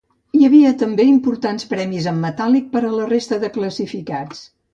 Hi havia també importants premis en metàl·lic per a la resta de classificats.